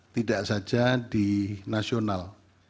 tidak saja di nasional